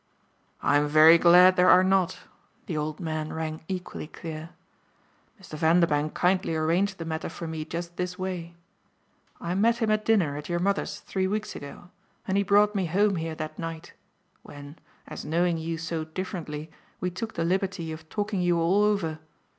"I'm very glad there are not!" the old man rang equally clear. "Mr. Vanderbank kindly arranged the matter for me just this way. I met him at dinner, at your mother's, three weeks ago, and he brought me home here that night, when, as knowing you so differently, we took the liberty of talking you all over.